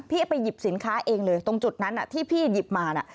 ไปหยิบสินค้าเองเลยตรงจุดนั้นที่พี่หยิบมาน่ะ